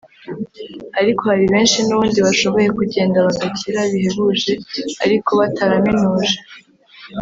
ariko hari benshi n’ubundi bashoboye kugenda bagakira bihebuje ariko bataraminuje